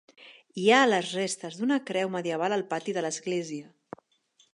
Hi ha les restes d'una creu medieval al pati de l'església.